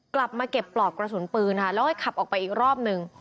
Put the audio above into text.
กลับมาเก็บปลอกกระสุนปืนค่ะแล้วก็ขับออกไปอีกรอบหนึ่ง